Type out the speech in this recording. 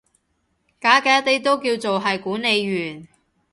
假假地都叫做係管理員